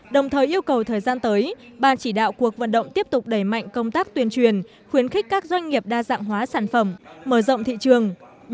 đồng thời yêu cầu thời gian tới ban chỉ đạo cuộc vận động tiếp tục đẩy mạnh công tác tuyên truyền khuyến khích các doanh nghiệp đa dạng hóa sản phẩm mở rộng thị trường